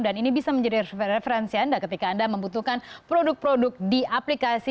dan ini bisa menjadi referensi anda ketika anda membutuhkan produk produk di aplikasi